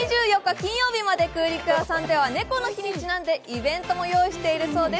金曜日まで、空陸家さんでは猫の日にちなんでイベントも用意しているそうです。